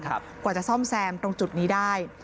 กว่าจะซ่อมแซมตรงจุดนี้ได้